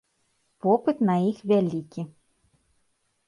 Попыт на іх вялікі.